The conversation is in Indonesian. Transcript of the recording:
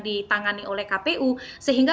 ditangani oleh kpu sehingga